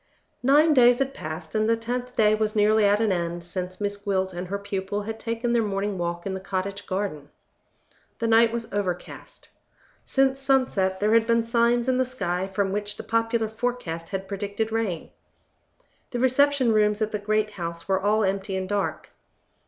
Nine days had passed, and the tenth day was nearly at an end, since Miss Gwilt and her pupil had taken their morning walk in the cottage garden. The night was overcast. Since sunset, there had been signs in the sky from which the popular forecast had predicted rain. The reception rooms at the great house were all empty and dark.